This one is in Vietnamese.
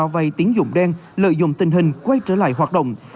vay tín dụng đen lợi dụng tình hình quay trở lại hoạt động